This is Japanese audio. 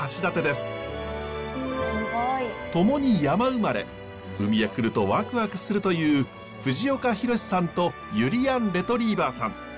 すごい。共に山生まれ海へ来るとワクワクするという藤岡弘、さんとゆりやんレトリィバァさん。